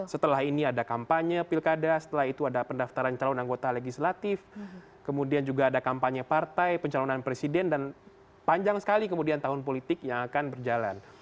setelah ini ada kampanye pilkada setelah itu ada pendaftaran calon anggota legislatif kemudian juga ada kampanye partai pencalonan presiden dan panjang sekali kemudian tahun politik yang akan berjalan